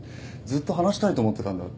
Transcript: ずっと話したいと思ってたんだ。